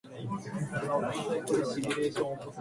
本当に素晴らしい出来事だ。